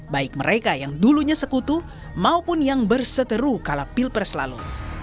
baik mereka yang dulunya sekutu maupun yang berseteru kala pilpres lalu